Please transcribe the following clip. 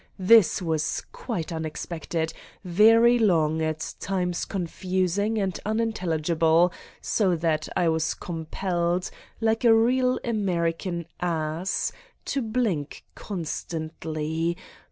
This was quite un expected, very long, at times confusing and un intelligible, so that I was compelled, like a real 66 Satan's Diary American ass, to blink constantly